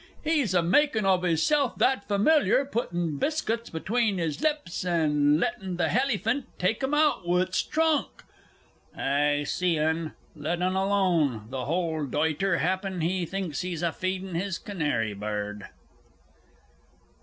He's a maakin' of 'isself that familiar putting biskuts 'tween his lips and lettin' th' hellyphant take 'em out wi's troonk!... I see un let un aloan, th' hold doitler, happen he thinks he's a feedin' his canary bird!